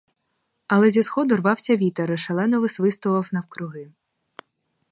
Але зі сходу рвався вітер і шалено висвистував навкруги.